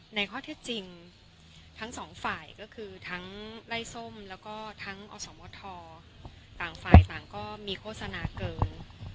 ในข้อเท็จจริงทั้งสองฝ่ายก็คือทั้งไล่ส้มแล้วก็ทั้งอสมทต่างฝ่ายต่างก็มีโฆษณาเกิน